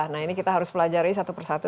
nah ini kita harus pelajari satu persatu